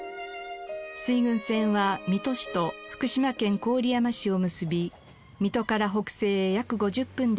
水郡線は水戸市と福島県郡山市を結び水戸から北西へ約５０分で着きます。